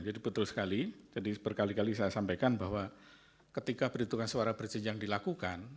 jadi betul sekali jadi berkali kali saya sampaikan bahwa ketika penentuan suara berjenjang dilakukan